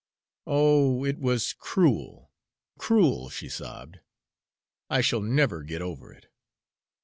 "Oh, it was cruel, cruel!" she sobbed. "I shall never get over it."